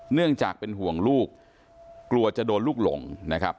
เนื่องจากเป็นห่วงลูกกลัวจะโดนลูกหลงนะครับ